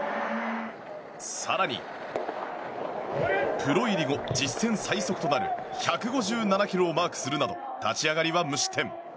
更に、プロ入り後実戦最速となる１５７キロをマークするなど立ち上がりは無失点。